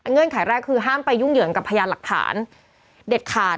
ไขแรกคือห้ามไปยุ่งเหยิงกับพยานหลักฐานเด็ดขาด